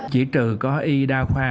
chỉ trừ có y đa khoa